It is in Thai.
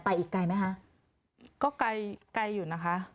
อีกไกลไหมคะก็ไกลไกลอยู่นะคะ